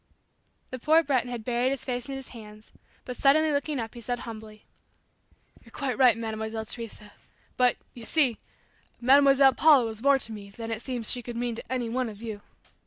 The poor Breton had buried his face in his hands, but suddenly looking up, he said humbly, "You're quite right, Mademoiselle Teresa but, you see, Mademoiselle Paula was more to me than it seems she could mean to any one of you.